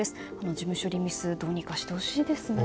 事務処理ミスどうにかしてほしいですね。